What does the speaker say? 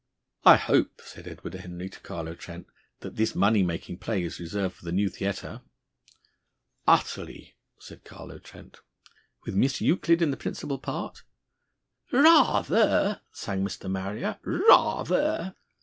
"I hope," said Edward Henry to Carlo Trent, "that this money making play is reserved for the new theatre." "Utterly," said Carlo Trent. "With Miss Euclid in the principal part?" "Rather!" sang Mr. Marrier. "Rather!"